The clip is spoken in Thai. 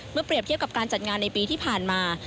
เปรียบเทียบกับการจัดงานในปีที่ผ่านมา